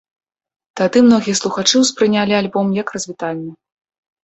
Тады многія слухачы ўспрынялі альбом, як развітальны.